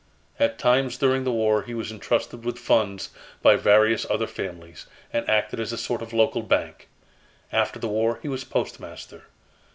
At times during the War, he was entrusted with funds by various other families, and acted as a sort of local bank. After the War he was postmaster.